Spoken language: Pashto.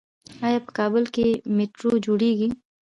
آیا په کابل کې میټرو جوړیږي؟